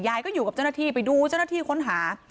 ยายก็อยู่กับเจ้าหน้าที่ไปดูเจ้าหน้าที่ค้นหา